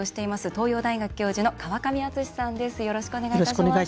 東洋大学教授の川上淳之さんです。